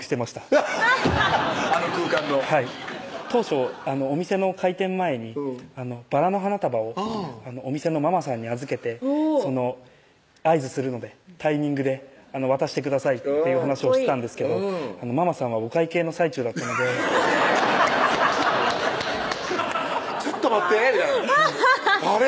アハハッあの空間のはい当初お店の開店前にバラの花束をお店のママさんに預けて「合図するのでタイミングで渡してください」っていう話をしてたんですけどママさんはお会計の最中だったので「ちょっと待って」みたいな「あれ？」